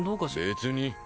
別に。